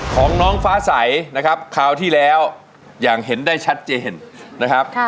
ของน้องฟ้าใสนะครับคราวที่แล้วอย่างเห็นได้ชัดเจนนะครับ